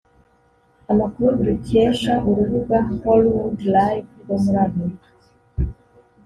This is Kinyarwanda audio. Amakuru dukesha urubuga hollwoodlife rwo muri Amerika